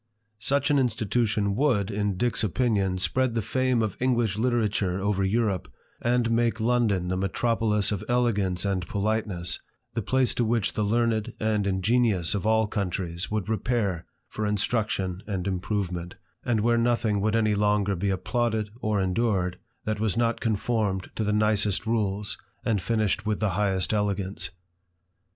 Such an institution would, in Dick's opinion, spread the fame of English literature over Europe, and make London the metropolis of elegance and politeness, the place to which the learned and ingenious of all coimtries would repair for instruction and improvement, and where nothing would any longer be applauded or endured that was not conformed to the nicest rules, and finished with the highest elegance.